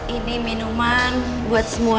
ini minuman buat semuanya